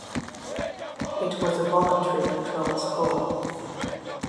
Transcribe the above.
It was a voluntary controlled school.